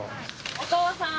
お父さん！